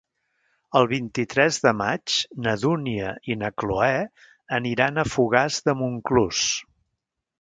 El vint-i-tres de maig na Dúnia i na Cloè aniran a Fogars de Montclús.